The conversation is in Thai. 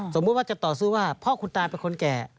สมมุติว่าจะต่อสู้ว่าพ่อคุณตาเป็นคนแก่